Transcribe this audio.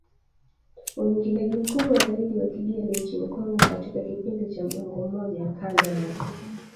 uingiliaji mkubwa zaidi wa kigeni nchini Kongo katika kipindi cha muongo mmoja kando na